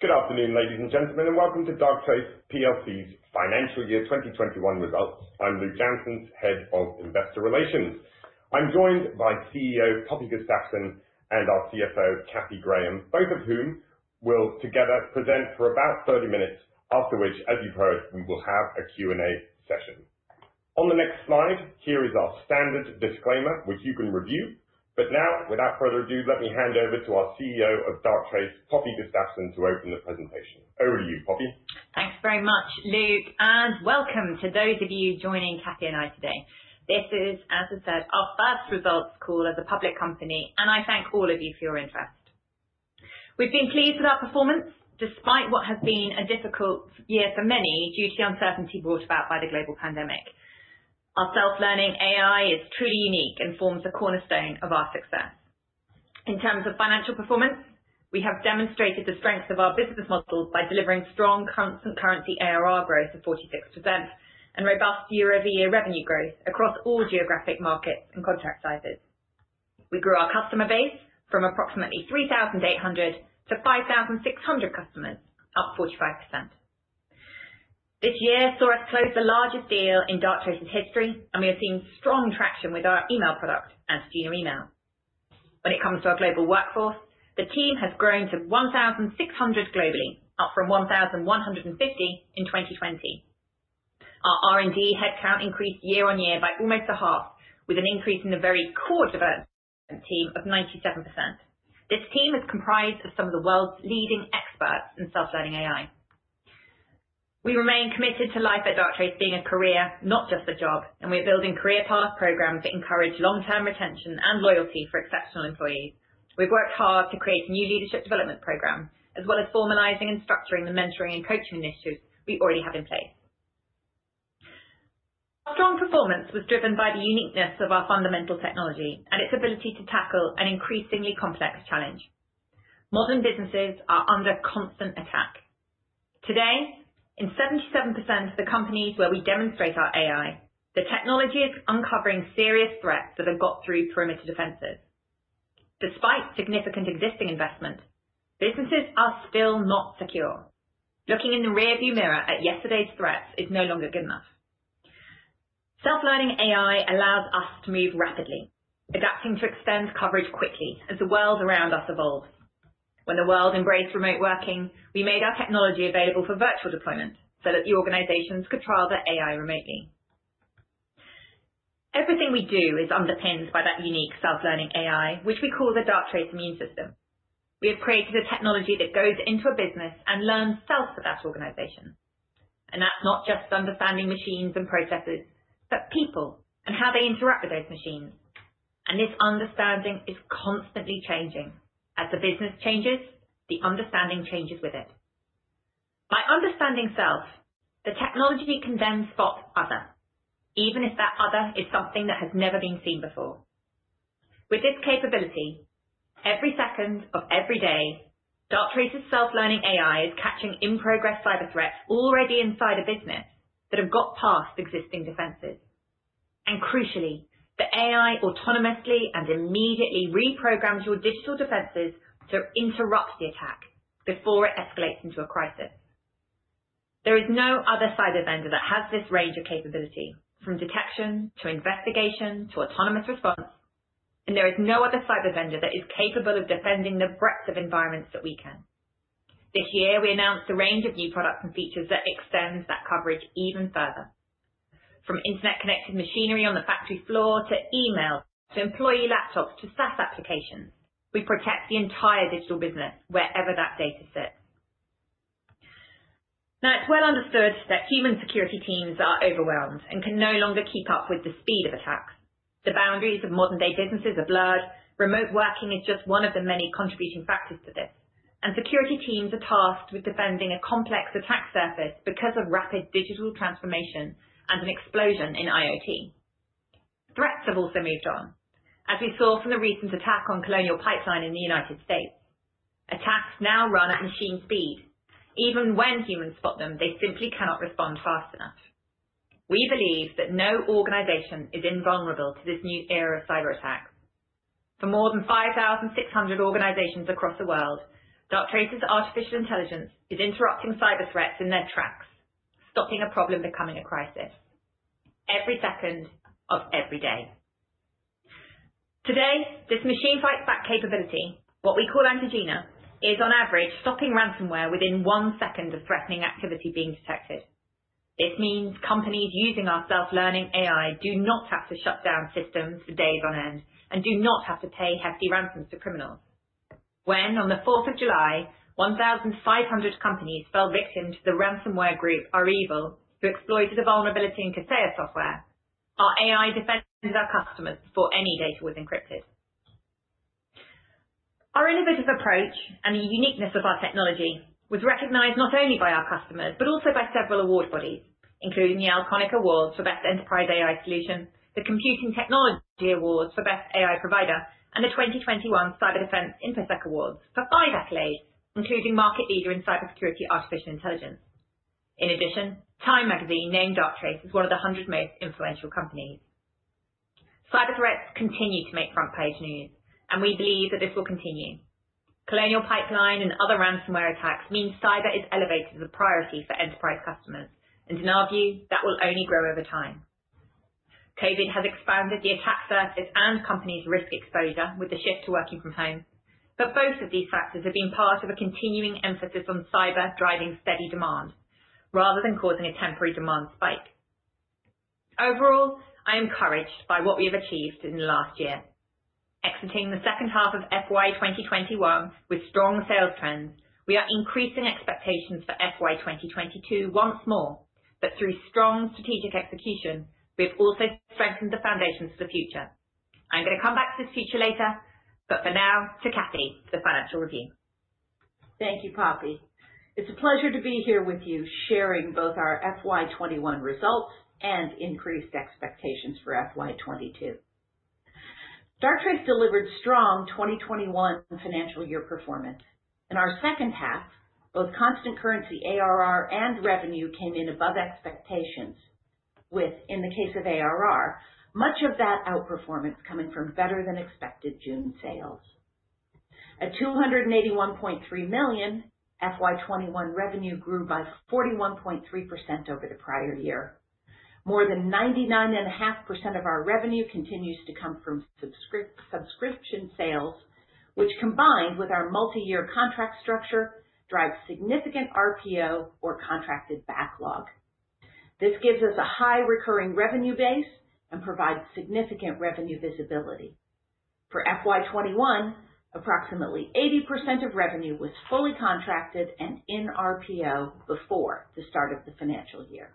Good afternoon, ladies and gentlemen, and welcome to Darktrace plc's Financial Year 2021 results. I'm Luk Janssens, Head of Investor Relations. I'm joined by CEO Poppy Gustafsson, and our CFO Catherine Graham, both of whom will together present for about 30 minutes, after which, as you've heard, we will have a Q&A session. On the next slide, here is our standard disclaimer, which you can review. Now, without further ado, let me hand over to our CEO of Darktrace Poppy Gustafsson, to open the presentation. Over to you, Poppy. Thanks very much, Luk, welcome to those of you joining Cathy and I today. This is, as I said, our first results call as a public company, and I thank all of you for your interest. We've been pleased with our performance, despite what has been a difficult year for many due to the uncertainty brought about by the global pandemic. Our Self-Learning AI is truly unique and forms a cornerstone of our success. In terms of financial performance, we have demonstrated the strength of our business model by delivering strong constant currency ARR growth of 46% and robust year-over-year revenue growth across all geographic markets and contract sizes. We grew our customer base from approximately 3,800 to 5,600 customers, up 45%. This year saw us close the largest deal in Darktrace's history, and we are seeing strong traction with our email product, Antigena Email. When it comes to our global workforce, the team has grown to 1,600 globally, up from 1,150 in 2020. Our R&D headcount increased year-on-year by almost a half, with an increase in the very core development team of 97%. This team is comprised of some of the world's leading experts in Self-Learning AI. We remain committed to life at Darktrace being a career, not just a job, and we're building career path programs that encourage long-term retention and loyalty for exceptional employees. We've worked hard to create new leadership development programs, as well as formalizing and structuring the mentoring and coaching initiatives we already have in place. Our strong performance was driven by the uniqueness of our fundamental technology and its ability to tackle an increasingly complex challenge. Modern businesses are under constant attack. Today, in 77% of the companies where we demonstrate our AI, the technology is uncovering serious threats that have got through perimeter defenses. Despite significant existing investment, businesses are still not secure. Looking in the rearview mirror at yesterday's threats is no longer good enough. Self-Learning AI allows us to move rapidly, adapting to extend coverage quickly as the world around us evolves. When the world embraced remote working, we made our technology available for virtual deployment so that the organizations could trial their AI remotely. Everything we do is underpinned by that unique Self-Learning AI, which we call the Darktrace Immune System. We have created a technology that goes into a business and learns self of that organization. That's not just understanding machines and processes, but people and how they interact with those machines. This understanding is constantly changing. As the business changes, the understanding changes with it. By understanding self, the technology can then spot other, even if that other is something that has never been seen before. With this capability, every second of every day, Darktrace's Self-Learning AI is catching in-progress cyber threats already inside a business that have got past existing defenses. Crucially, the AI autonomously and immediately reprograms your digital defenses to interrupt the attack before it escalates into a crisis. There is no other cyber vendor that has this range of capability, from detection, to investigation, to Autonomous Response, and there is no other cyber vendor that is capable of defending the breadth of environments that we can. This year, we announced a range of new products and features that extends that coverage even further. From internet-connected machinery on the factory floor, to email, to employee laptops, to SaaS applications, we protect the entire digital business wherever that data sits. Now, it's well understood that human security teams are overwhelmed and can no longer keep up with the speed of attacks. The boundaries of modern-day businesses are blurred. Remote working is just one of the many contributing factors to this, and security teams are tasked with defending a complex attack surface because of rapid digital transformation and an explosion in IoT. Threats have also moved on, as we saw from the recent attack on Colonial Pipeline in the United States. Attacks now run at machine speed. Even when humans spot them, they simply cannot respond fast enough. We believe that no organization is invulnerable to this new era of cyber attack. For more than 5,600 organizations across the world, Darktrace's artificial intelligence is interrupting cyber threats in their tracks, stopping a problem becoming a crisis every second of every day. Today, this machine fights back capability, what we call Antigena, is on average stopping ransomware within one second of threatening activity being detected. This means companies using our Self-Learning AI do not have to shut down systems for days on end and do not have to pay hefty ransoms to criminals. When, on the 4th of July, 1,500 companies fell victim to the ransomware group REvil, who exploited a vulnerability in Kaseya software, our AI defended our customers before any data was encrypted. Our innovative approach and the uniqueness of our technology was recognized not only by our customers, but also by several award bodies, including the AIconic Awards for Best Enterprise AI Solution, the Computing Technology Awards for Best AI Provider, and the 2021 Cyber Defense InfoSec Awards for five accolades, including Market Leader in Cybersecurity Artificial Intelligence. In addition, Time magazine named Darktrace as one of the 100 most influential companies. Cyber threats continue to make front page news. We believe that this will continue. Colonial Pipeline and other ransomware attacks mean cyber is elevated as a priority for enterprise customers. In our view, that will only grow over time. COVID has expanded the attack surface and companies' risk exposure with the shift to working from home. Both of these factors have been part of a continuing emphasis on cyber driving steady demand rather than causing a temporary demand spike. Overall, I am encouraged by what we have achieved in the last year. Exiting the second half of FY 2021 with strong sales trends, we are increasing expectations for FY 2022 once more. Through strong strategic execution, we have also strengthened the foundations for the future. I'm going to come back to this feature later, but for now, to Catherine Graham, for the financial review. Thank you, Poppy. It's a pleasure to be here with you, sharing both our FY 2021 results and increased expectations for FY 2022. Darktrace delivered strong 2021 financial year performance. In our second half, both constant currency ARR and revenue came in above expectations with, in the case of ARR, much of that outperformance coming from better than expected June sales. At 281.3 million, FY 2021 revenue grew by 41.3% over the prior year. More than 99.5% of our revenue continues to come from subscription sales, which combined with our multi-year contract structure, drives significant RPO or contracted backlog. This gives us a high recurring revenue base and provides significant revenue visibility. For FY 2021, approximately 80% of revenue was fully contracted and in RPO before the start of the financial year.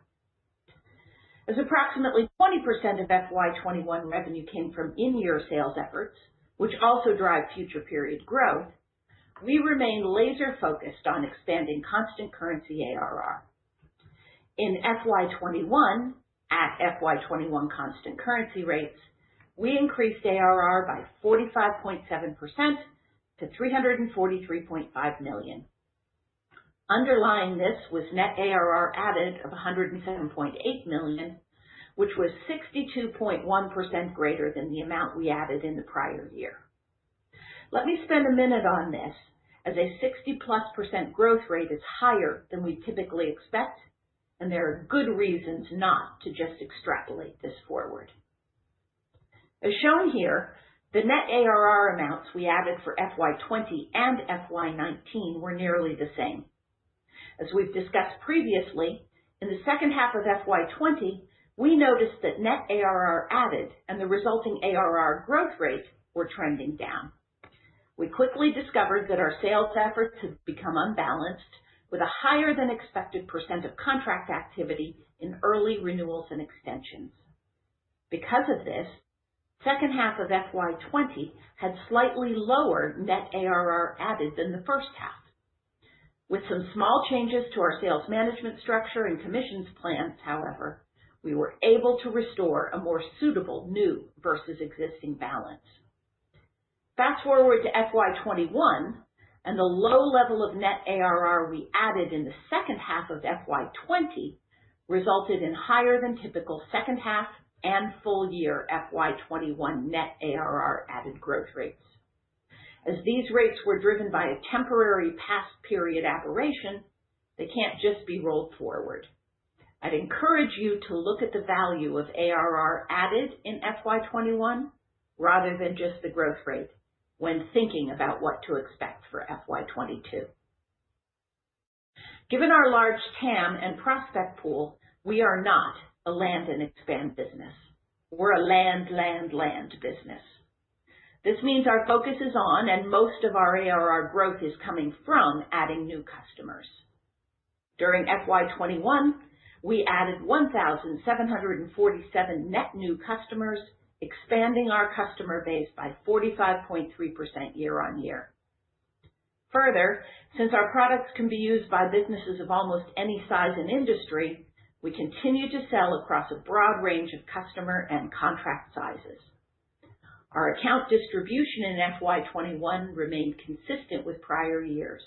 As approximately 20% of FY 2021 revenue came from in-year sales efforts, which also drive future period growth, we remain laser-focused on expanding constant currency ARR. In FY 2021, at FY 2021 constant currency rates, we increased ARR by 45.7% to 343.5 million. Underlying this was net ARR added of 107.8 million, which was 62.1% greater than the amount we added in the prior year. Let me spend a minute on this, as a 60-plus% growth rate is higher than we typically expect, and there are good reasons not to just extrapolate this forward. As shown here, the net ARR amounts we added for FY 2020 and FY 2019 were nearly the same. As we've discussed previously, in the second half of FY 2020, we noticed that net ARR added and the resulting ARR growth rates were trending down. We quickly discovered that our sales efforts had become unbalanced with a higher than expected % of contract activity in early renewals and extensions. Because of this, second half of FY 2020 had slightly lower net ARR added than the first half. With some small changes to our sales management structure and commissions plans, however, we were able to restore a more suitable new versus existing balance. Fast-forward to FY 2021, the low level of net ARR we added in the second half of FY 2020 resulted in higher than typical second half and full year FY 2021 net ARR added growth rates. As these rates were driven by a temporary past period aberration, they can't just be rolled forward. I'd encourage you to look at the value of ARR added in FY 2021 rather than just the growth rate when thinking about what to expect for FY 2022. Given our large TAM and prospect pool, we are not a land and expand business. We're a land, land business. This means our focus is on, and most of our ARR growth is coming from adding new customers. During FY 2021, we added 1,747 net new customers, expanding our customer base by 45.3% year-on-year. Further, since our products can be used by businesses of almost any size and industry, we continue to sell across a broad range of customer and contract sizes. Our account distribution in FY 2021 remained consistent with prior years.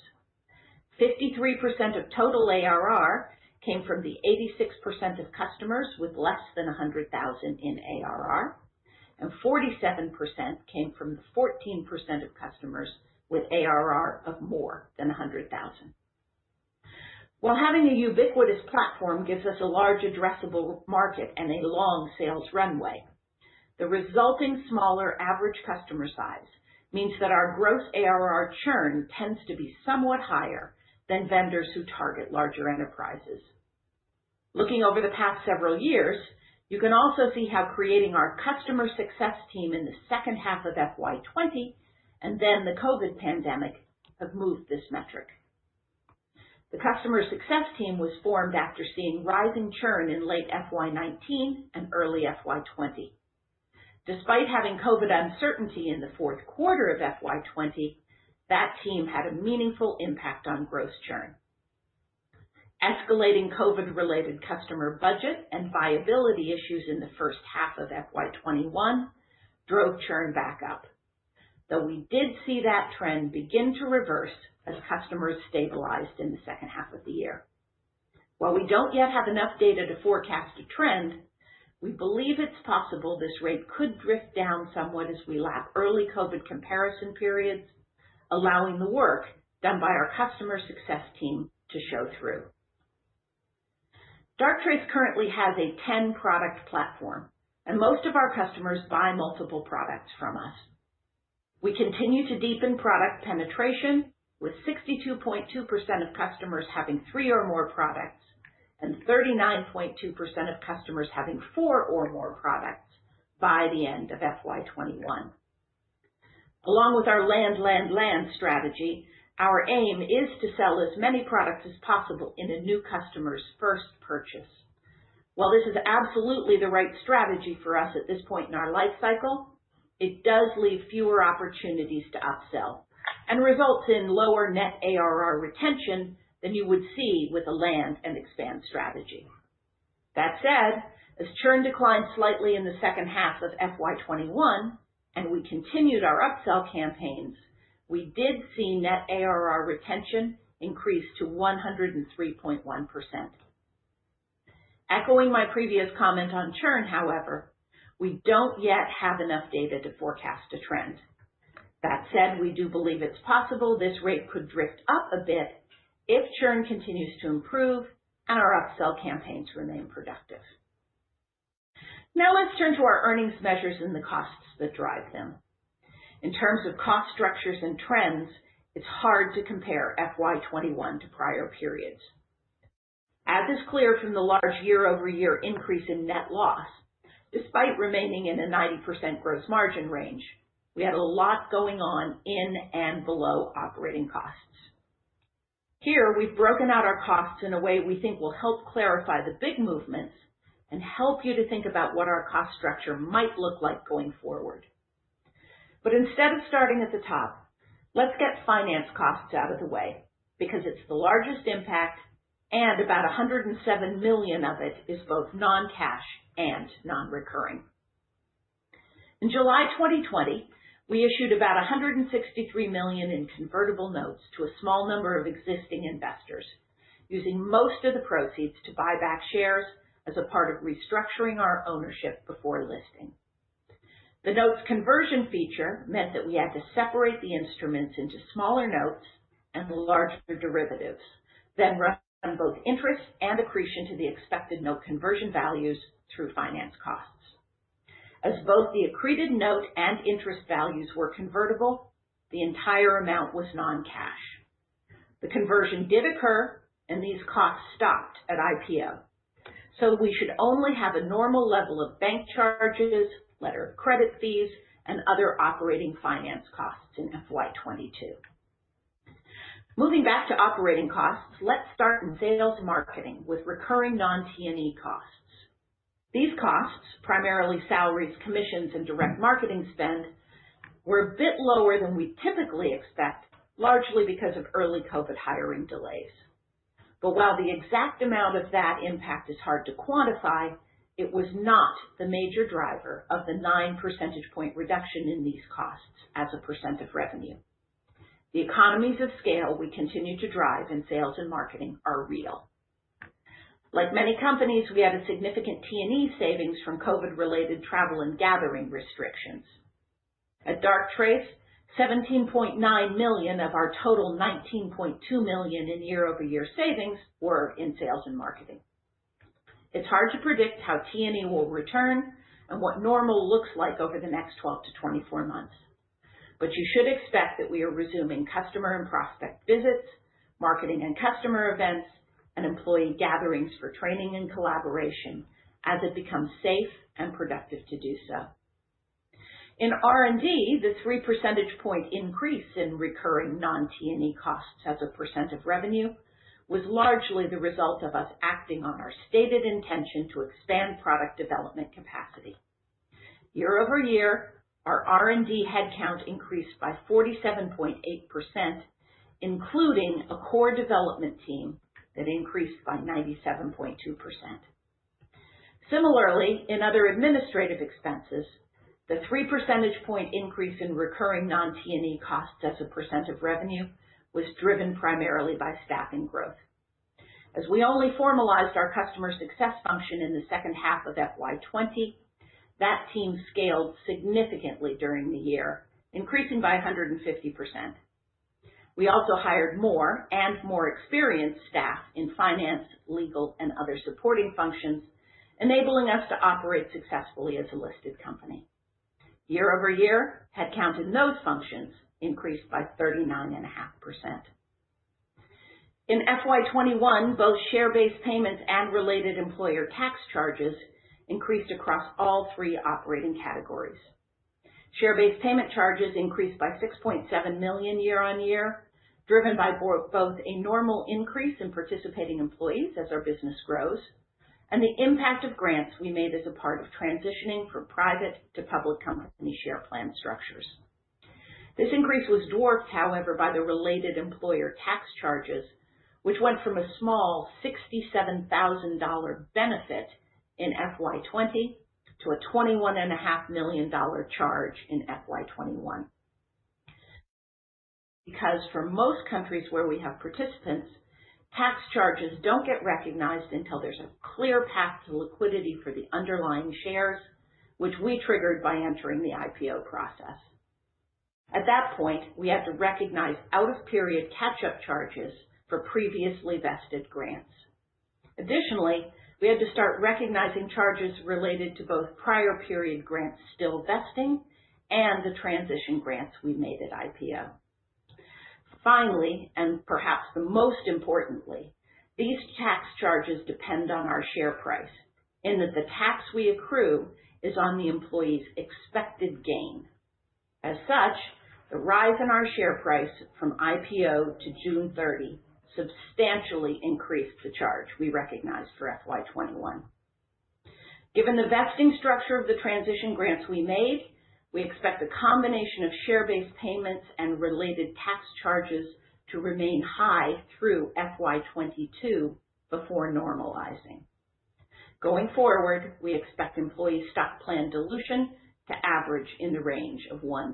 53% of total ARR came from the 86% of customers with less than 100,000 in ARR, and 47% came from the 14% of customers with ARR of more than 100,000. While having a ubiquitous platform gives us a large addressable market and a long sales runway, the resulting smaller average customer size means that our gross ARR churn tends to be somewhat higher than vendors who target larger enterprises. Looking over the past several years, you can also see how creating our customer success team in the second half of FY 2020, and then the COVID pandemic have moved this metric. The customer success team was formed after seeing rising churn in late FY 2019 and early FY 2020. Despite having COVID uncertainty in the fourth quarter of FY 2020, that team had a meaningful impact on gross churn. Escalating COVID-related customer budget and viability issues in the first half of FY 2021 drove churn back up. We did see that trend begin to reverse as customers stabilized in the second half of the year. We don't yet have enough data to forecast a trend, we believe it's possible this rate could drift down somewhat as we lap early COVID comparison periods, allowing the work done by our customer success team to show through. Darktrace currently has a 10-product platform, and most of our customers buy multiple products from us. We continue to deepen product penetration, with 62.2% of customers having three or more products and 39.2% of customers having four or more products by the end of FY 2021. Along with our land, land strategy, our aim is to sell as many products as possible in a new customer's first purchase. While this is absolutely the right strategy for us at this point in our life cycle, it does leave fewer opportunities to upsell and results in lower net ARR retention than you would see with a land-and-expand strategy. As churn declined slightly in the second half of FY 2021 and we continued our upsell campaigns, we did see net ARR retention increase to 103.1%. Echoing my previous comment on churn, however, we don't yet have enough data to forecast a trend. We do believe it's possible this rate could drift up a bit if churn continues to improve and our upsell campaigns remain productive. Let's turn to our earnings measures and the costs that drive them. In terms of cost structures and trends, it's hard to compare FY 2021 to prior periods. As is clear from the large year-over-year increase in net loss, despite remaining in a 90% gross margin range, we had a lot going on in and below operating costs. Here, we've broken out our costs in a way we think will help clarify the big movements and help you to think about what our cost structure might look like going forward. Instead of starting at the top, let's get finance costs out of the way because it's the largest impact and about 107 million of it is both non-cash and non-recurring. In July 2020, we issued about 163 million in convertible notes to a small number of existing investors, using most of the proceeds to buy back shares as a part of restructuring our ownership before listing. The note's conversion feature meant that we had to separate the instruments into smaller notes and larger derivatives, then run both interest and accretion to the expected note conversion values through finance costs. As both the accreted note and interest values were convertible, the entire amount was non-cash. The conversion did occur and these costs stopped at IPO. We should only have a normal level of bank charges, letter of credit fees, and other operating finance costs in FY 2022. Moving back to operating costs, let's start in sales marketing with recurring non-T&E costs. These costs, primarily salaries, commissions, and direct marketing spend, were a bit lower than we typically expect, largely because of early COVID hiring delays. While the exact amount of that impact is hard to quantify, it was not the major driver of the nine percentage point reduction in these costs as a percent of revenue. The economies of scale we continue to drive in sales and marketing are real. Like many companies, we had a significant T&E savings from COVID-related travel and gathering restrictions. At Darktrace, 17.9 million of our total 19.2 million in year-over-year savings were in sales and marketing. It's hard to predict how T&E will return and what normal looks like over the next 12-24 months. You should expect that we are resuming customer and prospect visits, marketing and customer events, and employee gatherings for training and collaboration as it becomes safe and productive to do so. In R&D, the three percentage point increase in recurring non-T&E costs as a percentage of revenue was largely the result of us acting on our stated intention to expand product development capacity. Year-over-year, our R&D headcount increased by 47.8%, including a core development team that increased by 97.2%. Similarly, in other administrative expenses, the three percentage point increase in recurring non-T&E costs as a % of revenue was driven primarily by staffing growth. As we only formalized our customer success function in the second half of FY 2020, that team scaled significantly during the year, increasing by 150%. We also hired more and more experienced staff in finance, legal, and other supporting functions, enabling us to operate successfully as a listed company. Year-over-year, headcount in those functions increased by 39.5%. In FY 2021, both share-based payments and related employer tax charges increased across all three operating categories. Share-based payment charges increased by 6.7 million year-on-year, driven by both a normal increase in participating employees as our business grows and the impact of grants we made as a part of transitioning from private to public company share plan structures. This increase was dwarfed, however, by the related employer tax charges, which went from a small GBP 67,000 benefit in FY 2020 to a GBP 21.5 million charge in FY 2021. For most countries where we have participants, tax charges don't get recognized until there's a clear path to liquidity for the underlying shares, which we triggered by entering the IPO process. At that point, we had to recognize out-of-period catch-up charges for previously vested grants. Additionally, we had to start recognizing charges related to both prior period grants still vesting and the transition grants we made at IPO. Finally, and perhaps the most importantly, these tax charges depend on our share price in that the tax we accrue is on the employee's expected gain. As such, the rise in our share price from IPO to June 30 substantially increased the charge we recognized for FY 2021. Given the vesting structure of the transition grants we made, we expect the combination of share-based payments and related tax charges to remain high through FY 2022 before normalizing. Going forward, we expect employee stock plan dilution to average in the range of 1%-2%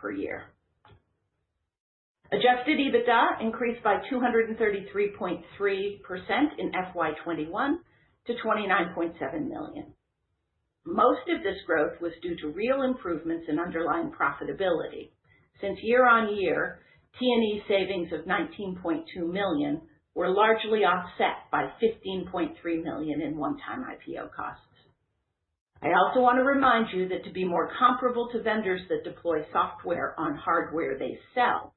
per year. Adjusted EBITDA increased by 233.3% in FY 2021 to 29.7 million. Most of this growth was due to real improvements in underlying profitability. Since year-on-year, T&E savings of 19.2 million were largely offset by 15.3 million in one-time IPO costs. I also want to remind you that to be more comparable to vendors that deploy software on hardware they sell,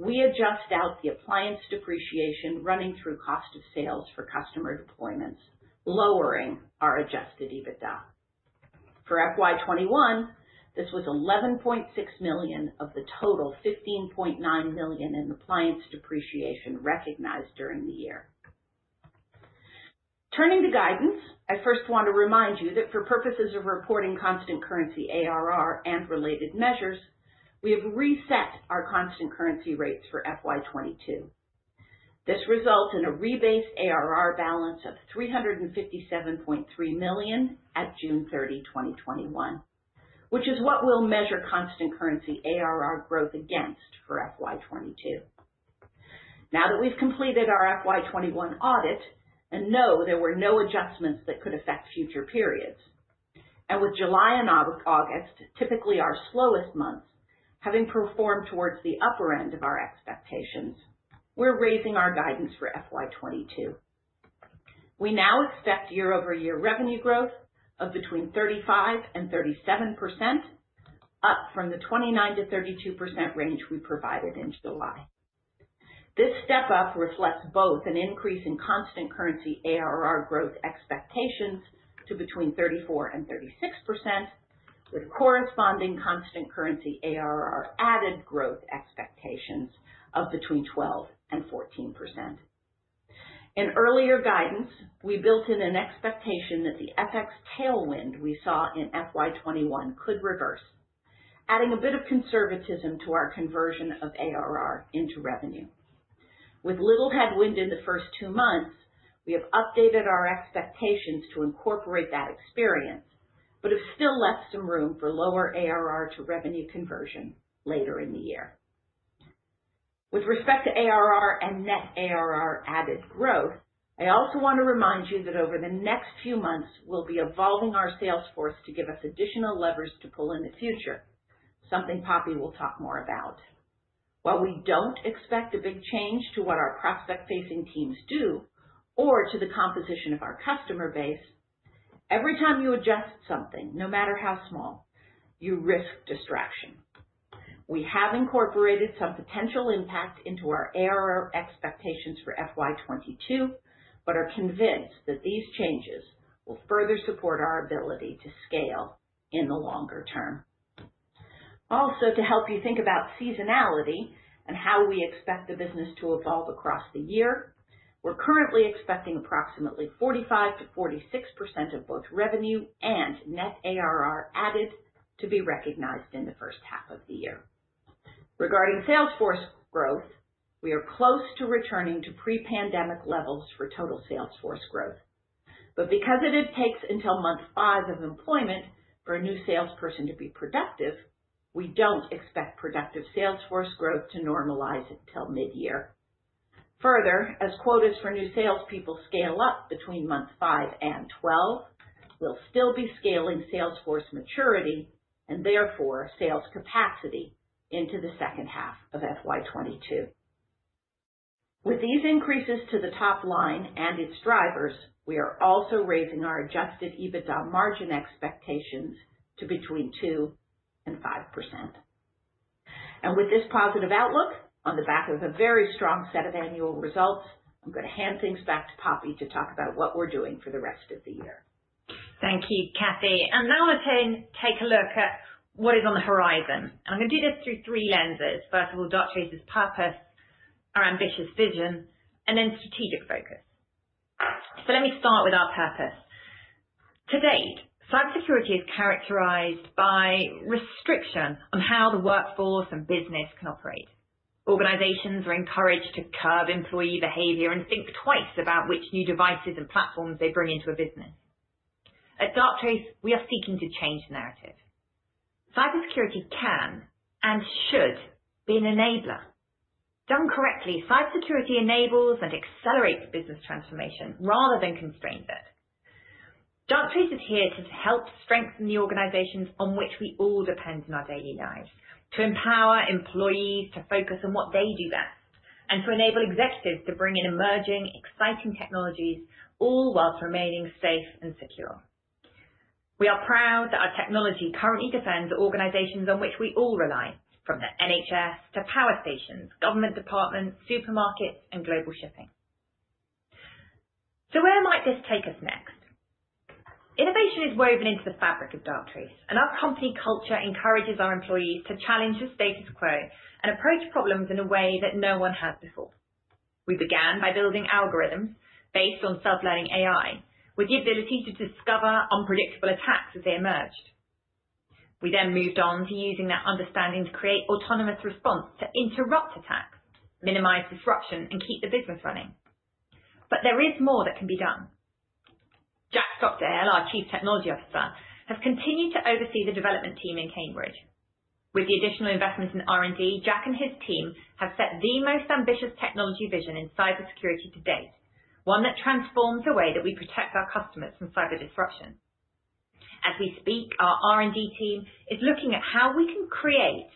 we adjust out the appliance depreciation running through cost of sales for customer deployments, lowering our adjusted EBITDA. For FY 2021, this was 11.6 million of the total 15.9 million in appliance depreciation recognized during the year. Turning to guidance, I first want to remind you that for purposes of reporting constant currency ARR and related measures, we have reset our constant currency rates for FY 2022. This results in a rebased ARR balance of 357.3 million at June 30, 2021, which is what we'll measure constant currency ARR growth against for FY 2022. Now that we've completed our FY 2021 audit and know there were no adjustments that could affect future periods, and with July and August typically our slowest months having performed towards the upper end of our expectations, we're raising our guidance for FY 2022. We now expect year-over-year revenue growth of between 35%-37%, up from the 29%-32% range we provided in July. This step-up reflects both an increase in constant currency ARR growth expectations to between 34%-36%, with corresponding constant currency ARR added growth expectations of between 12%-14%. In earlier guidance, we built in an expectation that the FX tailwind we saw in FY 2021 could reverse, adding a bit of conservatism to our conversion of ARR into revenue. With little headwind in the first two months, we have updated our expectations to incorporate that experience, but have still left some room for lower ARR-to-revenue conversion later in the year. With respect to ARR and net ARR added growth, I also want to remind you that over the next few months, we'll be evolving our sales force to give us additional levers to pull in the future, something Poppy will talk more about. While we don't expect a big change to what our prospect-facing teams do or to the composition of our customer base, every time you adjust something, no matter how small, you risk distraction. We have incorporated some potential impact into our ARR expectations for FY 2022, but are convinced that these changes will further support our ability to scale in the longer term. Also, to help you think about seasonality and how we expect the business to evolve across the year, we're currently expecting approximately 45%-46% of both revenue and net ARR added to be recognized in the first half of the year. Regarding sales force growth, we are close to returning to pre-pandemic levels for total sales force growth. Because it takes until month five of employment for a new salesperson to be productive, we don't expect productive sales force growth to normalize until mid-year. Further, as quotas for new salespeople scale up between months five and 12, we'll still be scaling sales force maturity, and therefore sales capacity into the second half of FY 2022. With these increases to the top line and its drivers, we are also raising our adjusted EBITDA margin expectations to between 2% and 5%. With this positive outlook on the back of a very strong set of annual results, I'm going to hand things back to Poppy to talk about what we're doing for the rest of the year. Thank you, Cathy. Now let's take a look at what is on the horizon. I'm going to do this through three lenses. First of all, Darktrace's purpose, our ambitious vision, and then strategic focus. Let me start with our purpose. To date, cybersecurity is characterized by restriction on how the workforce and business can operate. Organizations are encouraged to curb employee behavior and think twice about which new devices and platforms they bring into a business. At Darktrace, we are seeking to change the narrative. Cybersecurity can and should be an enabler. Done correctly, cybersecurity enables and accelerates business transformation rather than constrains it. Darktrace is here to help strengthen the organizations on which we all depend in our daily lives, to empower employees to focus on what they do best, and to enable executives to bring in emerging, exciting technologies all while remaining safe and secure. We are proud that our technology currently defends the organizations on which we all rely, from the NHS to power stations, government departments, supermarkets, and global shipping. Where might this take us next? Innovation is woven into the fabric of Darktrace, and our company culture encourages our employees to challenge the status quo and approach problems in a way that no one has before. We began by building algorithms based on Self-Learning AI with the ability to discover unpredictable attacks as they emerged. We then moved on to using that understanding to create Autonomous Response to interrupt attacks, minimize disruption, and keep the business running. There is more that can be done. Jack Stockdale, our Chief Technology Officer, has continued to oversee the development team in Cambridge. With the additional investments in R&D, Jack and his team have set the most ambitious technology vision in cybersecurity to date, one that transforms the way that we protect our customers from cyber disruption. As we speak, our R&D team is looking at how we can create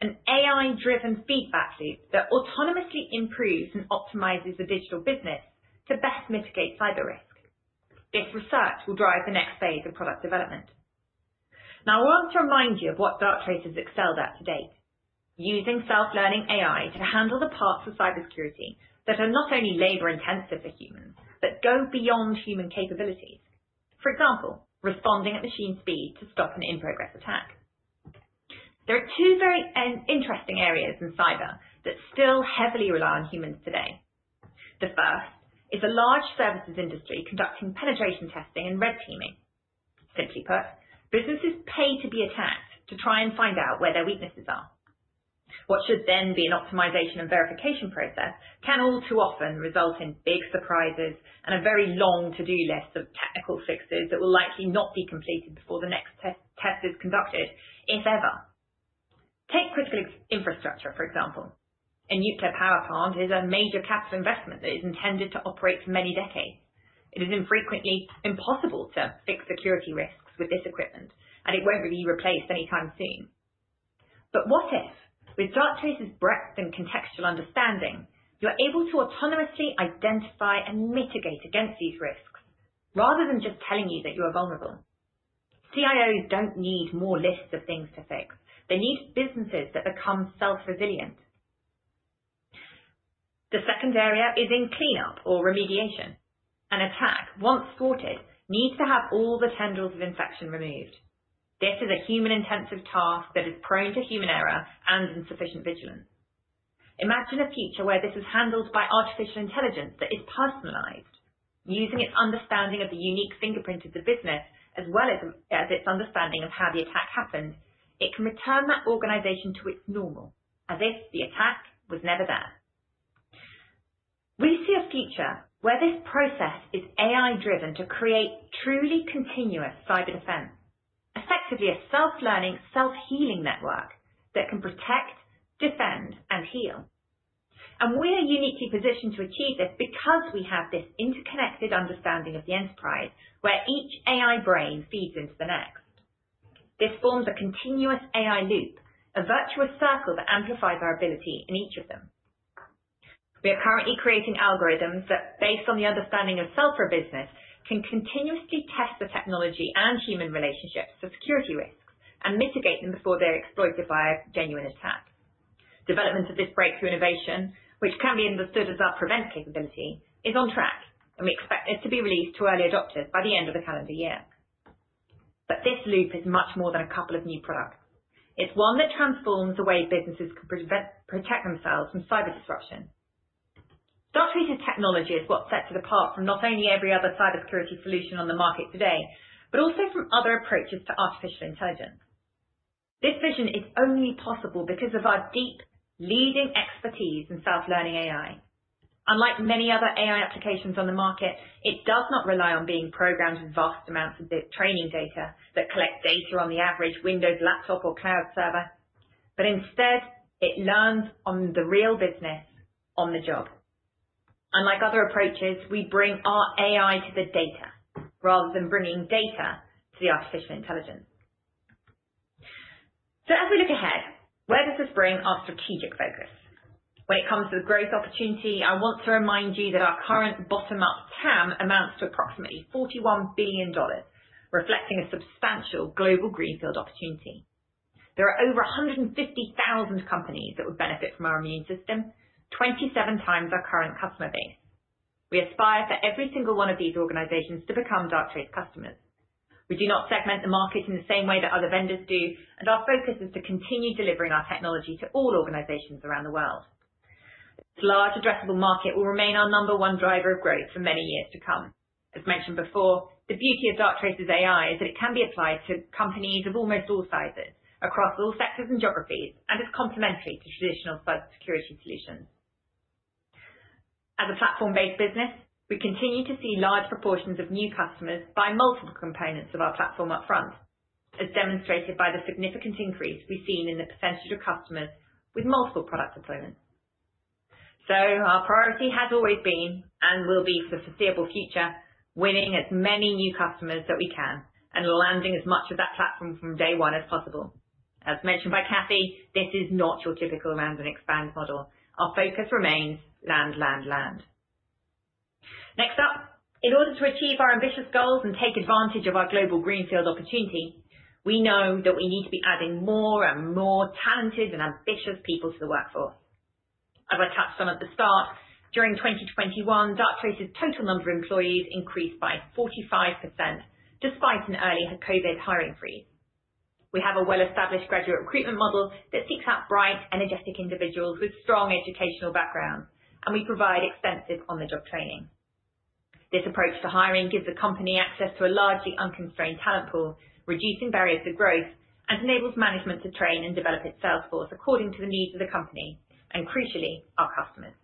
an AI-driven feedback loop that autonomously improves and optimizes the digital business to best mitigate cyber risk. This research will drive the next phase of product development. I want to remind you of what Darktrace has excelled at to date, using Self-Learning AI to handle the parts of cybersecurity that are not only labor-intensive for humans but go beyond human capabilities. For example, responding at machine speed to stop an in-progress attack. There are two very interesting areas in cyber that still heavily rely on humans today. The first is a large services industry conducting penetration testing and red teaming. Simply put, businesses pay to be attacked to try and find out where their weaknesses are. What should then be an optimization and verification process can all too often result in big surprises and a very long to-do list of technical fixes that will likely not be completed before the next test is conducted, if ever. Take critical infrastructure, for example. A nuclear power plant is a major capital investment that is intended to operate for many decades. It is frequently impossible to fix security risks with this equipment, and it won't be replaced anytime soon. But what if, with Darktrace's breadth and contextual understanding, you're able to autonomously identify and mitigate against these risks rather than just telling you that you are vulnerable? CIOs don't need more lists of things to fix. They need businesses that become self-resilient. The second area is in cleanup or remediation. An attack, once thwarted, needs to have all the tendrils of infection removed. This is a human-intensive task that is prone to human error and insufficient vigilance. Imagine a future where this is handled by artificial intelligence that is personalized. Using its understanding of the unique fingerprint of the business as well as its understanding of how the attack happened, it can return that organization to its normal, as if the attack was never there. We see a future where this process is AI-driven to create truly continuous cyber defense, effectively a self-learning, self-healing network that can protect, defend, and heal. We are uniquely positioned to achieve this because we have this interconnected understanding of the enterprise, where each AI brain feeds into the next. This forms a continuous AI loop, a virtuous circle that amplifies our ability in each of them. We are currently creating algorithms that, based on the understanding of self for a business, can continuously test the technology and human relationships for security risks and mitigate them before they're exploited by a genuine attack. Development of this breakthrough innovation, which can be understood as our PREVENT capability, is on track, and we expect it to be released to early adopters by the end of the calendar year. This loop is much more than a couple of new products. It's one that transforms the way businesses can protect themselves from cyber disruption. Darktrace's technology is what sets it apart from not only every other cybersecurity solution on the market today, but also from other approaches to artificial intelligence. This vision is only possible because of our deep, leading expertise in Self-Learning AI. Unlike many other AI applications on the market, it does not rely on being programmed with vast amounts of training data that collect data on the average Windows laptop or cloud server, but instead, it learns on the real business on the job. Unlike other approaches, we bring our AI to the data rather than bringing data to the artificial intelligence. As we look ahead, where does this bring our strategic focus? When it comes to growth opportunity, I want to remind you that our current bottom-up TAM amounts to approximately GBP 41 billion, reflecting a substantial global greenfield opportunity. There are over 150,000 companies that would benefit from our immune system, 27x our current customer base. We aspire for every single one of these organizations to become Darktrace customers. We do not segment the market in the same way that other vendors do, and our focus is to continue delivering our technology to all organizations around the world. This large addressable market will remain our number one driver of growth for many years to come. As mentioned before, the beauty of Darktrace's AI is that it can be applied to companies of almost all sizes across all sectors and geographies, and is complementary to traditional cybersecurity solutions. As a platform-based business, we continue to see large proportions of new customers buy multiple components of our platform upfront, as demonstrated by the significant increase we've seen in the percentage of customers with multiple product deployments. Our priority has always been, and will be for the foreseeable future, winning as many new customers that we can and landing as much of that platform from day one as possible. As mentioned by Cathy, this is not your typical land and expand model. Our focus remains land, land. Next up, in order to achieve our ambitious goals and take advantage of our global greenfield opportunity, we know that we need to be adding more and more talented and ambitious people to the workforce. As I touched on at the start, during 2021, Darktrace's total number of employees increased by 45%, despite an early COVID hiring freeze. We have a well-established graduate recruitment model that seeks out bright, energetic individuals with strong educational backgrounds, and we provide extensive on-the-job training. This approach to hiring gives the company access to a largely unconstrained talent pool, reducing barriers to growth, and enables management to train and develop its sales force according to the needs of the company, and crucially, our customers.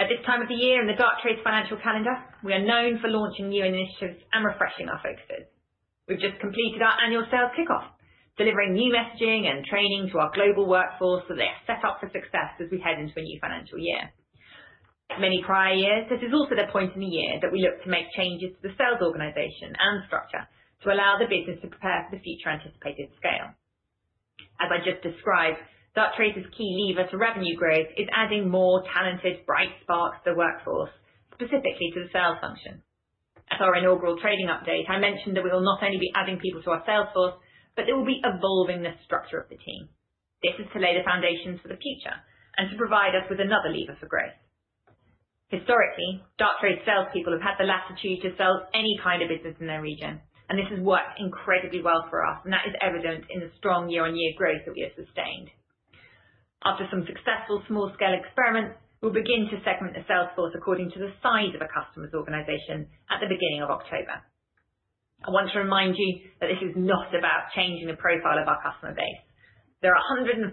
At this time of the year in the Darktrace financial calendar, we are known for launching new initiatives and refreshing our focuses. We've just completed our annual sales kickoff, delivering new messaging and training to our global workforce so they are set up for success as we head into a new financial year. Many prior years, this is also the point in the year that we look to make changes to the sales organization and structure to allow the business to prepare for the future anticipated scale. As I just described, Darktrace's key lever to revenue growth is adding more talented, bright sparks to the workforce, specifically to the sales function. At our inaugural trading update, I mentioned that we will not only be adding people to our sales force, but they will be evolving the structure of the team. This is to lay the foundations for the future and to provide us with another lever for growth. Historically, Darktrace salespeople have had the latitude to sell any kind of business in their region, and this has worked incredibly well for us, and that is evident in the strong year-on-year growth that we have sustained. After some successful small-scale experiments, we'll begin to segment the sales force according to the size of a customer's organization at the beginning of October. I want to remind you that this is not about changing the profile of our customer base. There are 150,000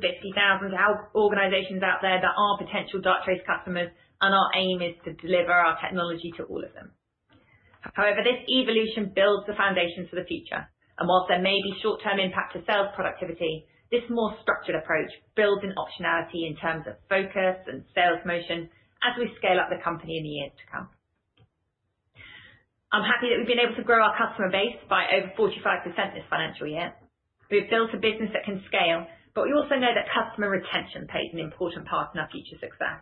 organizations out there that are potential Darktrace customers, and our aim is to deliver our technology to all of them. However, this evolution builds the foundation for the future, and while there may be short-term impact to sales productivity, this more structured approach builds in optionality in terms of focus and sales motion as we scale up the company in the years to come. I'm happy that we've been able to grow our customer base by over 45% this financial year. We have built a business that can scale, but we also know that customer retention plays an important part in our future success.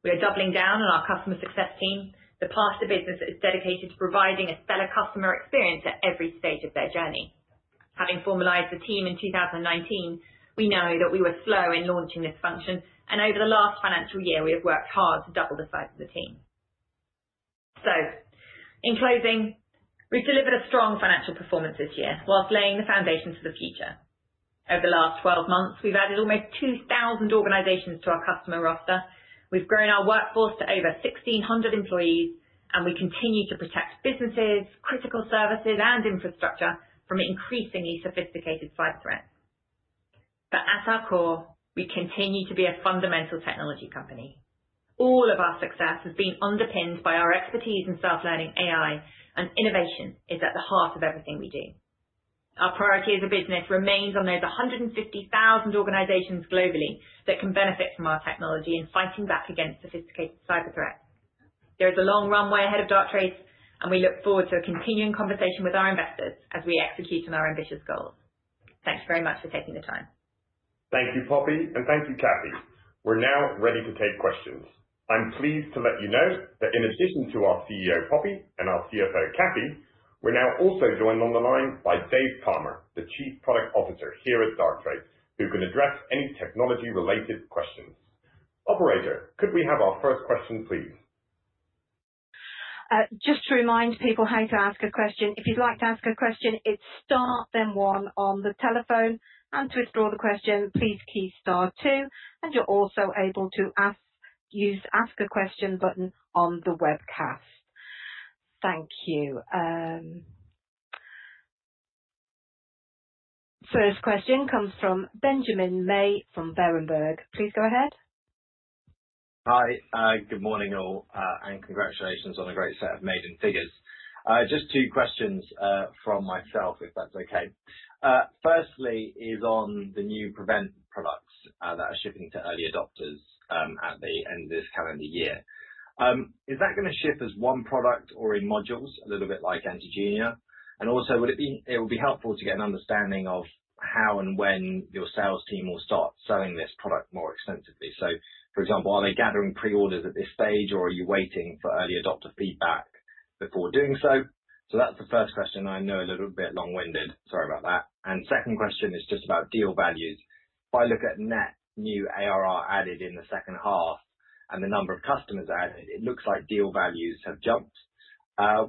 We are doubling down on our customer success team, the part of the business that is dedicated to providing a stellar customer experience at every stage of their journey. Having formalized the team in 2019, we know that we were slow in launching this function, and over the last financial year, we have worked hard to double the size of the team. In closing, we've delivered a strong financial performance this year whilst laying the foundation for the future. Over the last 12 months, we've added almost 2,000 organizations to our customer roster. We've grown our workforce to over 1,600 employees, and we continue to protect businesses, critical services, and infrastructure from increasingly sophisticated cyber threats. At our core, we continue to be a fundamental technology company. All of our success has been underpinned by our expertise in Self-Learning AI and innovation is at the heart of everything we do. Our priority as a business remains on those 150,000 organizations globally that can benefit from our technology in fighting back against sophisticated cyber threats. There is a long runway ahead of Darktrace, and we look forward to a continuing conversation with our investors as we execute on our ambitious goals. Thank you very much for taking the time. Thank you, Poppy, and thank you, Cathy. We're now ready to take questions. I'm pleased to let you know that in addition to our CEO, Poppy, and our CFO, Cathy, we're now also joined on the line by Dave Palmer, the Chief Product Officer here at Darktrace, who can address any technology-related questions. Operator, could we have our first question, please? Just to remind people how to ask a question. If you'd like to ask a question, it's star, then one on the telephone. To withdraw the question, please key star two, and you're also able to use Ask a Question button on the webcast. Thank you. First question comes from Benjamin May from Berenberg. Please go ahead. Hi. Good morning, all, and congratulations on a great set of maiden figures. Just two questions from myself if that's okay. Firstly is on the new PREVENT products that are shipping to early adopters at the end of this calendar year. Is that gonna ship as one product or in modules, a little bit like Antigena? Also, it would be helpful to get an understanding of how and when your sales team will start selling this product more extensively. For example, are they gathering pre-orders at this stage, or are you waiting for early adopter feedback before doing so? That's the first question. I know a little bit long-winded. Sorry about that. Second question is just about deal values. If I look at net new ARR added in the second half and the number of customers added, it looks like deal values have jumped.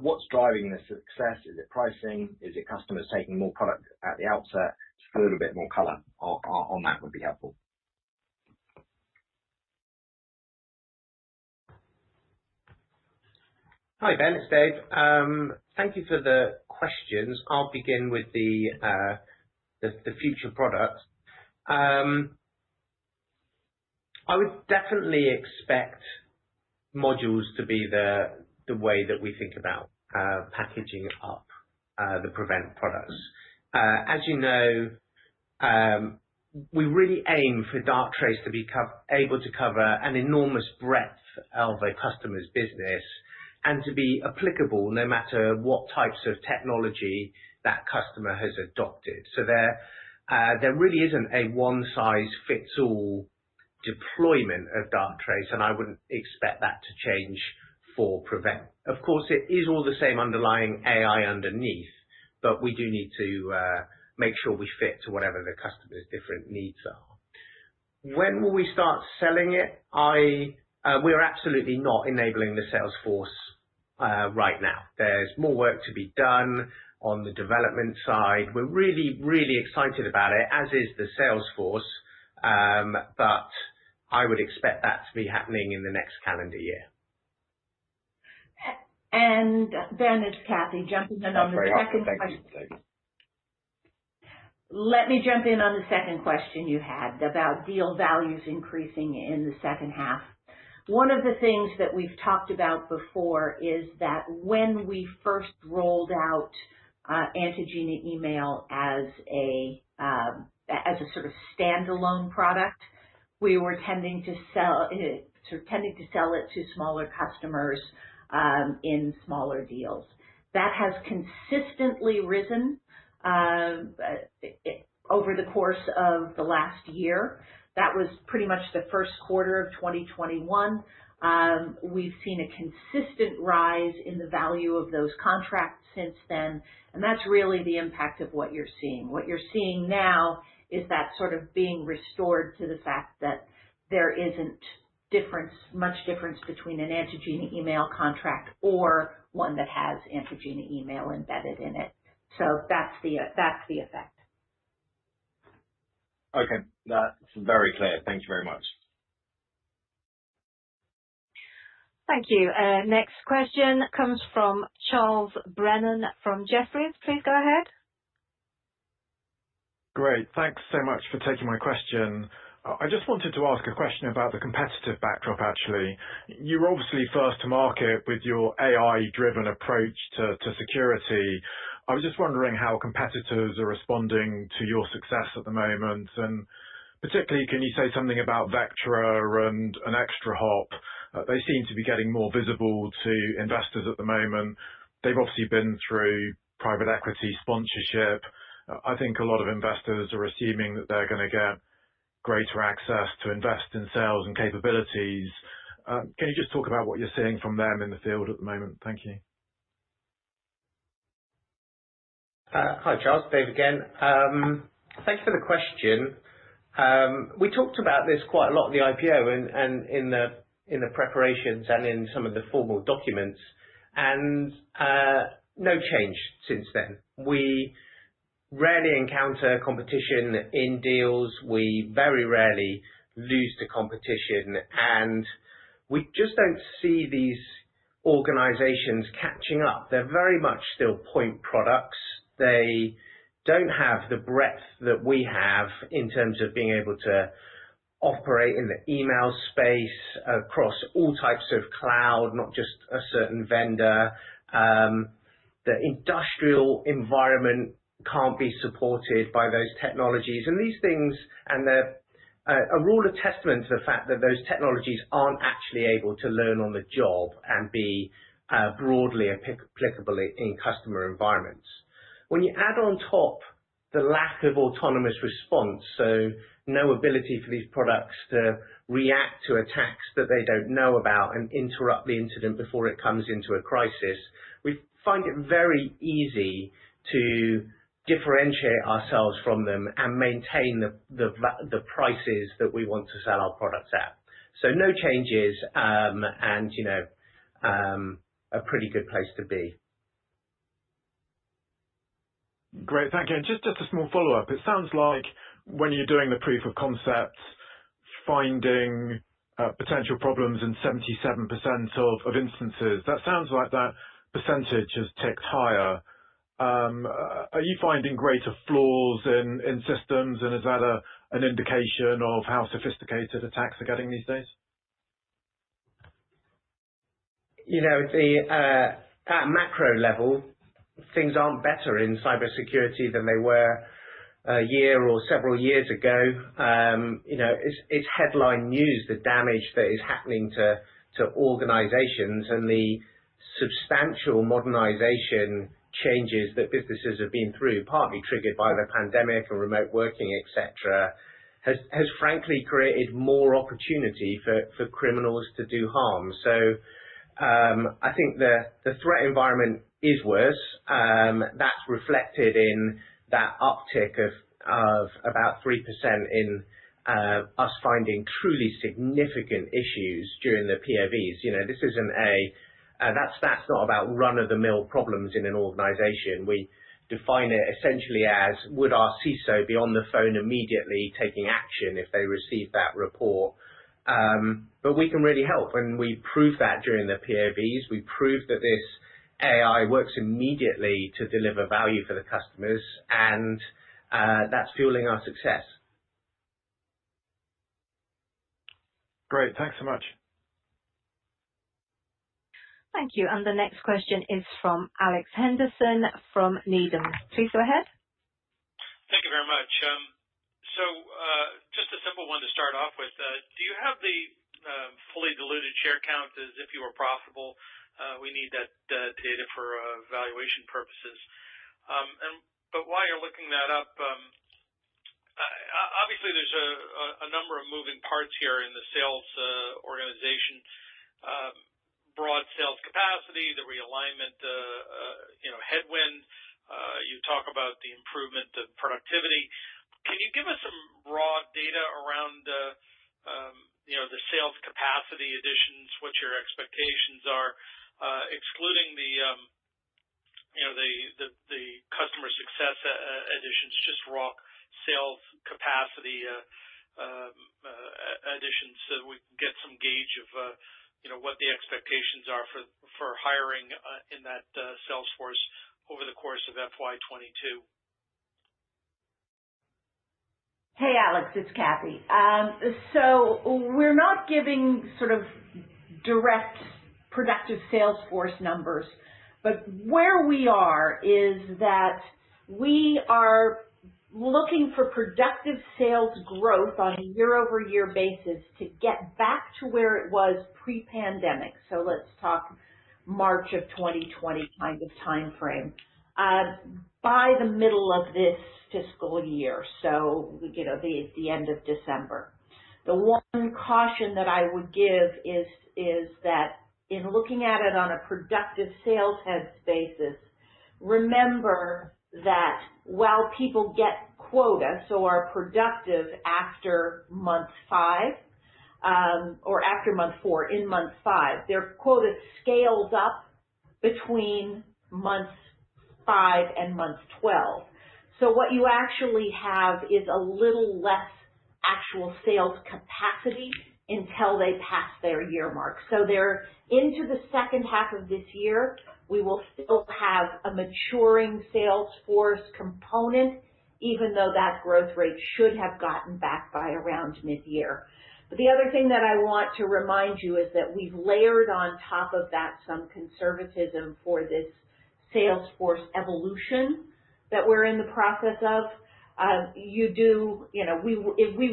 What's driving the success? Is it pricing? Is it customers taking more product at the outset? Just a little bit more color on that would be helpful. Hi, Ben. It's Dave. Thank you for the questions. I'll begin with the future products. I would definitely expect modules to be the way that we think about packaging up the PREVENT products. As you know, we really aim for Darktrace to be able to cover an enormous breadth of a customer's business and to be applicable no matter what types of technology that customer has adopted. There really isn't a one-size-fits-all deployment of Darktrace, and I wouldn't expect that to change for PREVENT. Of course, it is all the same underlying AI underneath, but we do need to make sure we fit to whatever the customer's different needs are. When will we start selling it? We're absolutely not enabling the sales force right now. There's more work to be done on the development side. We're really excited about it, as is the sales force, but I would expect that to be happening in the next calendar year. Ben, it's Cathy. Jumping in on the second question. That's very helpful. Thank you. Let me jump in on the second question you had about deal values increasing in the second half. One of the things that we've talked about before is that when we first rolled out Antigena Email as a standalone product, we were tending to sell it to smaller customers in smaller deals. That has consistently risen over the course of the last year. That was pretty much the first quarter of 2021. We've seen a consistent rise in the value of those contracts since then, and that's really the impact of what you're seeing. What you're seeing now is that being restored to the fact that there isn't much difference between an Antigena Email contract or one that has Antigena Email embedded in it. That's the effect. Okay. That's very clear. Thank you very much. Thank you. Next question comes from Charles Brennan from Jefferies. Please go ahead. Great. Thanks so much for taking my question. I just wanted to ask a question about the competitive backdrop, actually. You're obviously first to market with your AI-driven approach to security. I was just wondering how competitors are responding to your success at the moment, and particularly, can you say something about Vectra and ExtraHop? They seem to be getting more visible to investors at the moment. They've obviously been through private equity sponsorship. I think a lot of investors are assuming that they're going to get greater access to invest in sales and capabilities. Can you just talk about what you're seeing from them in the field at the moment? Thank you. Hi, Charles. Dave again. Thanks for the question. We talked about this quite a lot in the IPO and in the preparations and in some of the formal documents. No change since then. We rarely encounter competition in deals. We very rarely lose to competition. We just don't see these organizations catching up. They're very much still point products. They don't have the breadth that we have in terms of being able to operate in the email space across all types of cloud, not just a certain vendor. The industrial environment can't be supported by those technologies. These things are all a testament to the fact that those technologies aren't actually able to learn on the job and be broadly applicable in customer environments. When you add on top the lack of Autonomous Response, no ability for these products to react to attacks that they don't know about and interrupt the incident before it comes into a crisis, we find it very easy to differentiate ourselves from them and maintain the prices that we want to sell our products at. No changes, and a pretty good place to be. Great. Thank you. Just a small follow-up. It sounds like when you're doing the proof of concept, finding potential problems in 77% of instances, that sounds like that percentage has ticked higher. Are you finding greater flaws in systems, and is that an indication of how sophisticated attacks are getting these days? At macro level, things aren't better in cybersecurity than they were a year or several years ago. It's headline news, the damage that is happening to organizations and the substantial modernization changes that businesses have been through, partly triggered by the pandemic or remote working, et cetera, has frankly created more opportunity for criminals to do harm. I think the threat environment is worse. That's reflected in that uptick of about 3% in us finding truly significant issues during the PoVs. That's not about run-of-the-mill problems in an organization. We define it essentially as would our CISO be on the phone immediately taking action if they receive that report? We can really help, and we prove that during the PoVs. AI works immediately to deliver value for the customers, and that's fueling our success. Great. Thanks so much. Thank you. The next question is from Alex Henderson from Needham. Please go ahead. Thank you very much. Just a simple one to start off with. Do you have the fully diluted share count as if you were profitable? We need that data for valuation purposes. While you're looking that up, obviously there's a number of moving parts here in the sales organization. Broad sales capacity, the realignment headwind. You talk about the improvement of productivity. Can you give us some raw data around the sales capacity additions, what your expectations are? Excluding the customer success additions, just raw sales capacity additions, so that we can get some gauge of what the expectations are for hiring in that sales force over the course of FY 2022. Hey, Alex, it's Cathy. We're not giving sort of direct productive sales force numbers. Where we are is that we are looking for productive sales growth on a year-over-year basis to get back to where it was pre-pandemic. Let's talk March of 2020 kind of timeframe. By the middle of this fiscal year, the end of December. The one caution that I would give is that in looking at it on a productive sales heads basis, remember that while people get quota, are productive after month five or after month four, in month five, their quota scales up between months five and month 12. What you actually have is a little less actual sales capacity until they pass their year mark. They're into the second half of this year. We will still have a maturing sales force component, even though that growth rate should have gotten back by around mid-year. The other thing that I want to remind you is that we've layered on top of that some conservatism for this sales force evolution that we're in the process of. We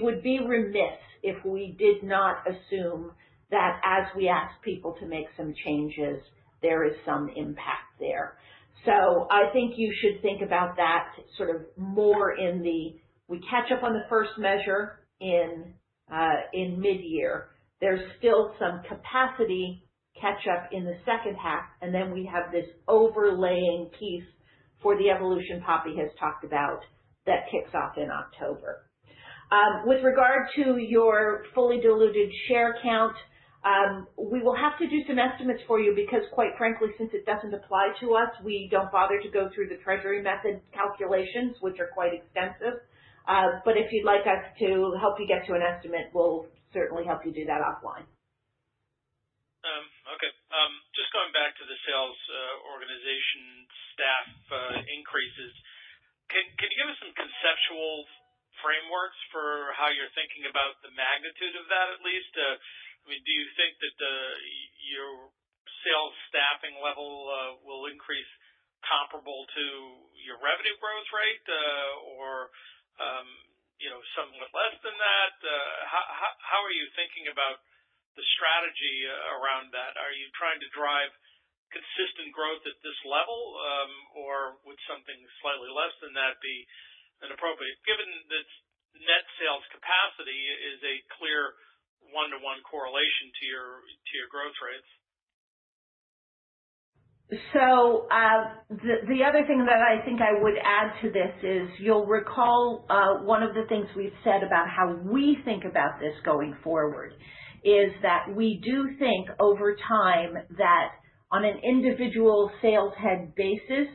would be remiss if we did not assume that as we ask people to make some changes, there is some impact there. I think you should think about that sort of more in the, we catch up on the first measure in mid-year. There's still some capacity catch up in the second half, and then we have this overlaying piece for the evolution Poppy has talked about that kicks off in October. With regard to your fully diluted share count, we will have to do some estimates for you because quite frankly, since it doesn't apply to us, we don't bother to go through the treasury method calculations, which are quite extensive. If you'd like us to help you get to an estimate, we'll certainly help you do that offline. Okay. Just going back to the sales organization staff increases. Can you give us some conceptual frameworks for how you're thinking about the magnitude of that, at least? Do you think that your sales staffing level will increase comparable to your revenue growth rate? Somewhat less than that? How are you thinking about the strategy around that? Are you trying to drive consistent growth at this level? Would something slightly less than that be inappropriate, given that net sales capacity is a clear one to one correlation to your growth rates? The other thing that I think I would add to this is, you'll recall one of the things we've said about how we think about this going forward is that we do think over time that on an individual sales head basis,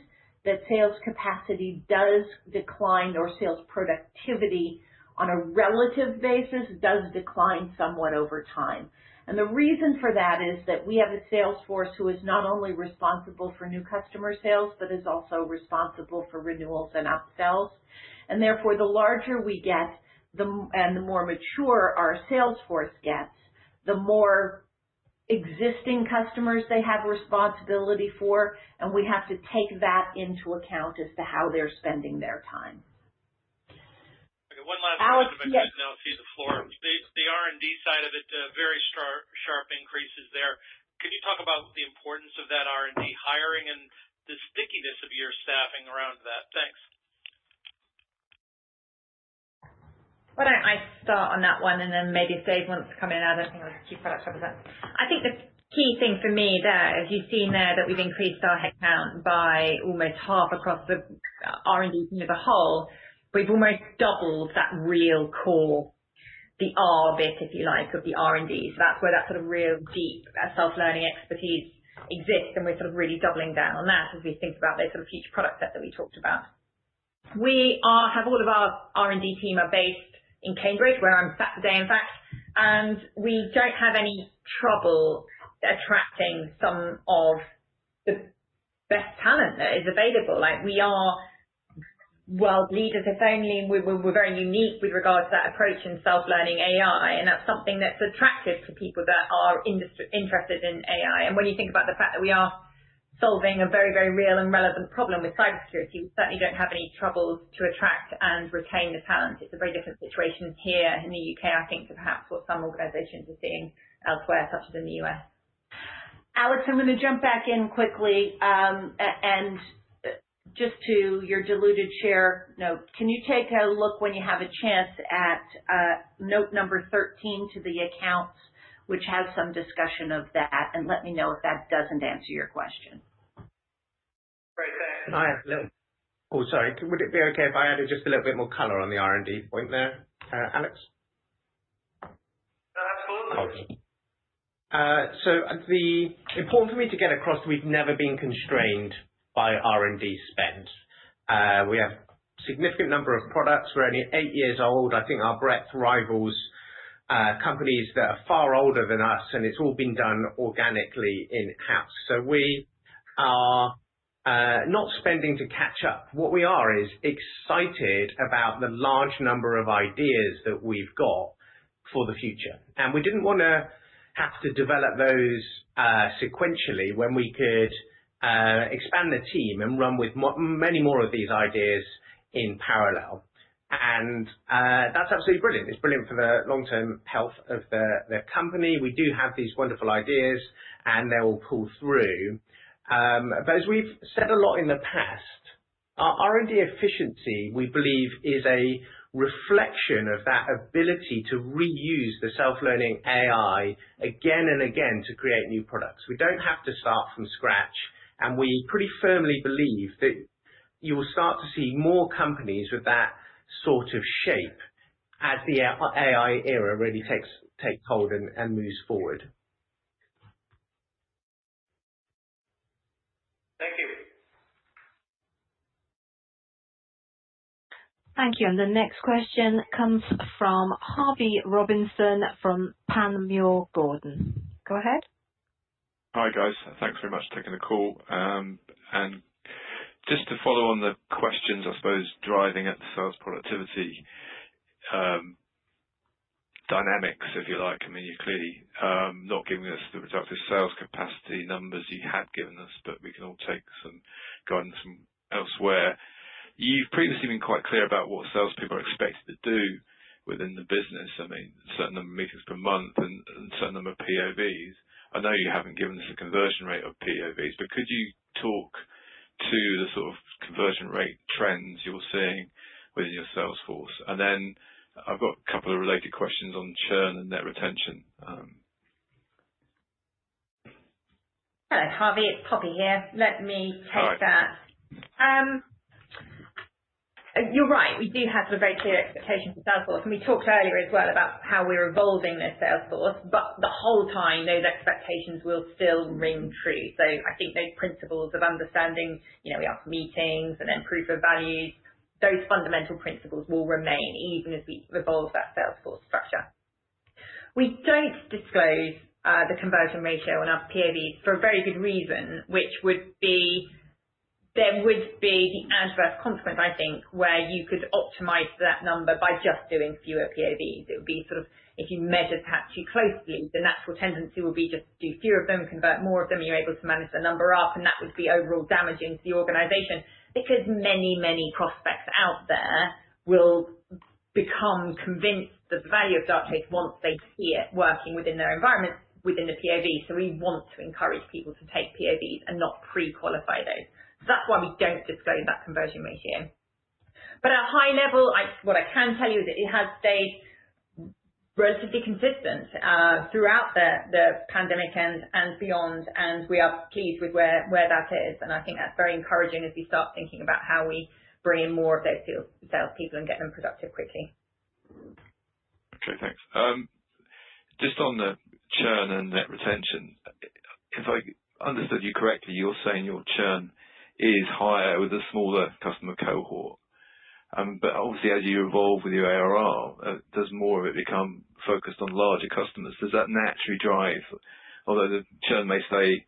that sales capacity does decline or sales productivity on a relative basis does decline somewhat over time. The reason for that is that we have a sales force who is not only responsible for new customer sales but is also responsible for renewals and upsells. Therefore, the larger we get and the more mature our sales force gets, the more existing customers they have responsibility for, and we have to take that into account as to how they're spending their time. Okay, one last one. Alex, yes. I'll cede the floor. The R&D side of it, very sharp increases there. Could you talk about the importance of that R&D hiring and the stickiness of your staffing around that? Thanks. Why don't I start on that one and then maybe if Dave wants to come in, I don't think I have a key product to represent. I think the key thing for me there is you've seen there that we've increased our headcount by almost half across the R&D as a whole. We've almost doubled that real core, the R bit, if you like, of the R&D. That's where that sort of real deep self-learning expertise exists, and we're sort of really doubling down on that as we think about those sort of future product sets that we talked about. We have all of our R&D team are based in Cambridge, where I'm sat today, in fact, and we don't have any trouble attracting some of the best talent that is available. We are world leaders, if only, and we're very unique with regards to that approach in Self-Learning AI, and that's something that's attractive to people that are interested in AI. When you think about the fact that we are solving a very, very real and relevant problem with cybersecurity, we certainly don't have any troubles to attract and retain the talent. It's a very different situation here in the U.K., I think, to perhaps what some organizations are seeing elsewhere, such as in the U.S. Alex, I'm going to jump back in quickly. Just to your diluted share note, can you take a look when you have a chance at note number 13 to the accounts, which has some discussion of that, and let me know if that doesn't answer your question. Great. Thanks. Sorry. Would it be okay if I added just a little bit more color on the R&D point there, Alex? That's fine. Okay. The important for me to get across, we've never been constrained by R&D spend. We have significant number of products. We're only eight years old. I think our breadth rivals companies that are far older than us, and it's all been done organically in-house. We are not spending to catch up. What we are is excited about the large number of ideas that we've got for the future. We didn't want to have to develop those sequentially when we could expand the team and run with many more of these ideas in parallel. That's absolutely brilliant. It's brilliant for the long-term health of the company. We do have these wonderful ideas, and they will pull through. As we've said a lot in the past, our R&D efficiency, we believe, is a reflection of that ability to reuse the Self-Learning AI again and again to create new products. We don't have to start from scratch. We pretty firmly believe that you will start to see more companies with that sort of shape as the AI era really takes hold and moves forward. Thank you. Thank you. The next question comes from Harvey Robinson from Panmure Gordon. Go ahead. Hi, guys. Thanks very much for taking the call. Just to follow on the questions, I suppose, driving at the sales productivity dynamics, if you like. You're clearly not giving us the productive sales capacity numbers you had given us, but we can all take some guidance from elsewhere. You've previously been quite clear about what salespeople are expected to do within the business. Certain number of meetings per month and certain number of PoVs. I know you haven't given us a conversion rate of PoVs, but could you talk to the sort of conversion rate trends you're seeing within your sales force? Then I've got a couple of related questions on churn and net ARR retention. Hello, Harvey. It's Poppy here. Let me take that. Hi. You're right. We do have some very clear expectations for sales force, and we talked earlier as well about how we're evolving the sales force, but the whole time, those expectations will still ring true. I think those principles of understanding, we have meetings and then Proof of Values, those fundamental principles will remain even as we evolve that sales force structure. We don't disclose the conversion ratio on our POVs for a very good reason, which would be there would be the adverse consequence, I think, where you could optimize that number by just doing fewer POVs. It would be sort of if you measure perhaps too closely, the natural tendency will be just do fewer of them, convert more of them, you're able to manage the number up, and that would be overall damaging to the organization because many, many prospects out there will become convinced of the value of Darktrace once they see it working within their environment within the PoV. We want to encourage people to take PoVs and not pre-qualify those. That's why we don't disclose that conversion ratio. At high level, what I can tell you is that it has stayed relatively consistent throughout the pandemic and beyond, and we are pleased with where that is, and I think that's very encouraging as we start thinking about how we bring in more of those salespeople and get them productive quickly. Okay, thanks. Just on the churn and net retention, if I understood you correctly, you're saying your churn is higher with a smaller customer cohort. Obviously as you evolve with your ARR, does more of it become focused on larger customers? Although the churn may stay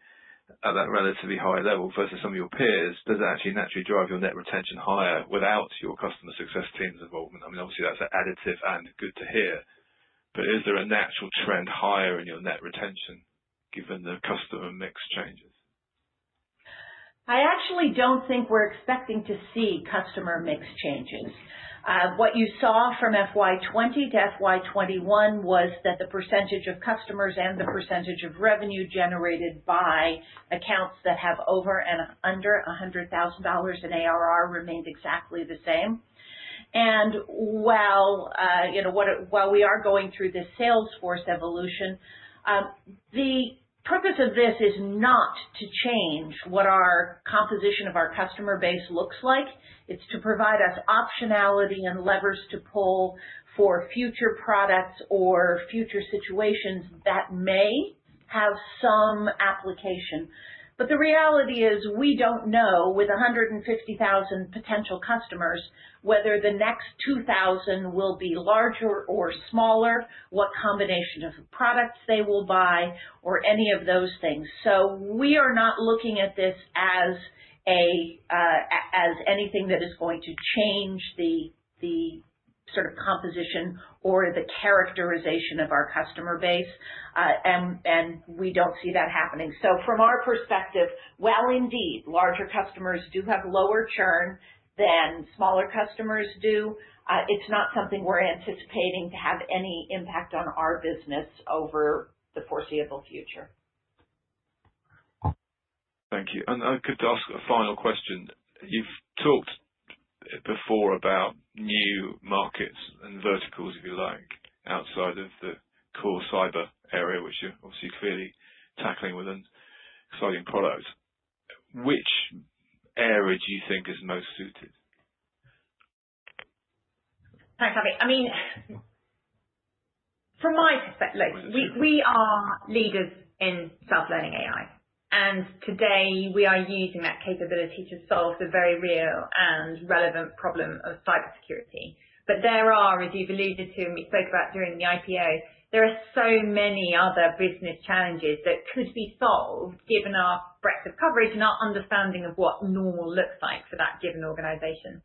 at that relatively high level versus some of your peers, does it actually naturally drive your net retention higher without your customer success team's involvement? Obviously, that's additive and good to hear, is there a natural trend higher in your net retention given the customer mix changes? I actually don't think we're expecting to see customer mix changes. What you saw from FY 2020 to FY 2021 was that the percentage of customers and the percentage of revenue generated by accounts that have over and under GBP 100,000 in ARR remained exactly the same. While we are going through this sales force evolution, the purpose of this is not to change what our composition of our customer base looks like. It's to provide us optionality and levers to pull for future products or future situations that may have some application. The reality is we don't know, with 150,000 potential customers, whether the next 2,000 will be larger or smaller, what combination of products they will buy or any of those things. We are not looking at this as anything that is going to change the composition or the characterization of our customer base. We don't see that happening. From our perspective, while indeed larger customers do have lower churn than smaller customers do, it's not something we're anticipating to have any impact on our business over the foreseeable future. Thank you. Could I ask a final question? You've talked before about new markets and verticals, if you like, outside of the core cyber area, which you're obviously clearly tackling with an exciting product. Which area do you think is most suited? Thanks, Harvey. From my perspective, we are leaders in Self-Learning AI, and today we are using that capability to solve the very real and relevant problem of cybersecurity. There are, as you've alluded to and we spoke about during the IPO, there are so many other business challenges that could be solved given our breadth of coverage and our understanding of what normal looks like for that given organization.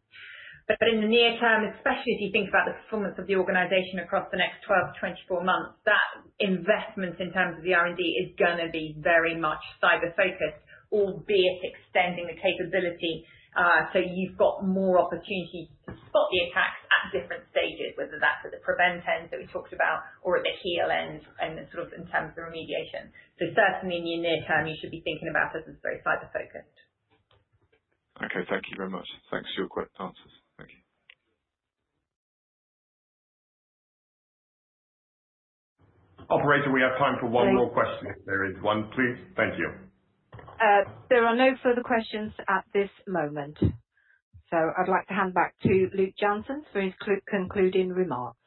In the near term, especially as you think about the performance of the organization across the next 12 to 24 months, that investment in terms of the R&D is going to be very much cyber focused, albeit extending the capability, so you've got more opportunities to spot the attacks at different stages, whether that's at the prevent end that we talked about or at the heal end and sort of in terms of remediation. Certainly in the near term, you should be thinking about this as very cyber focused. Okay. Thank you very much. Thanks for your quick answers. Thank you. Operator, we have time for one more question if there is one, please. Thank you. There are no further questions at this moment. I'd like to hand back to Luk Janssens for his concluding remarks.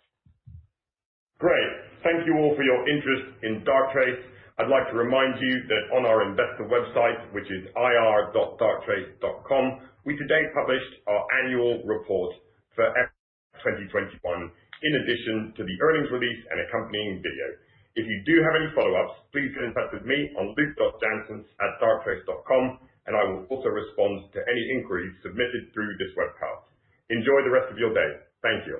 Great. Thank you all for your interest in Darktrace. I'd like to remind you that on our investor website, which is ir.darktrace.com, we today published our annual report for FY 2021 in addition to the earnings release and accompanying video. If you do have any follow-ups, please get in touch with me on luk.janssens@darktrace.com, I will also respond to any inquiries submitted through this webcast. Enjoy the rest of your day. Thank you.